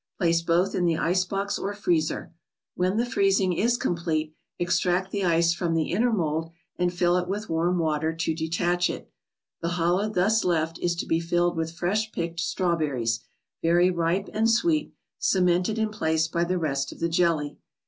Place both in the ice box or freezer. When the freezing is complete, ex¬ tract the ice from the inner mold and fill it with warm water to detach it. The hollow thus left is to be filled with fresh picked strawberries, very ripe and sweet, ce¬ mented in place by the rest of the jelly.